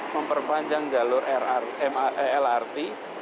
memperpanjang jalur lrt